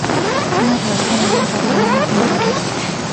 Una tradición y un patrimonio en vilo.